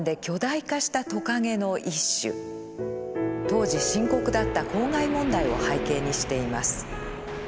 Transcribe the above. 当時深刻だった公害問題を背景にしています。